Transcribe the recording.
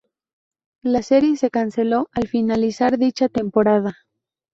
La serie se canceló al finalizar dicha temporada.